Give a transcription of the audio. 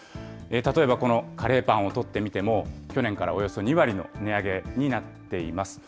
例えばこのカレーパンをとってみても、去年からおよそ２割の値上げになっています。